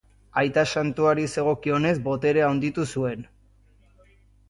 Aita Santuari zegokionez, boterea handitu zuen.